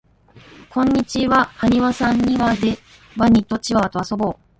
こんにちははにわさんにわでワニとチワワとあそぼう